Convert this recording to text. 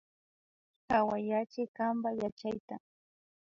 Hawayachi kanpa yachayta